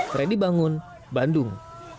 freddy bangun bandung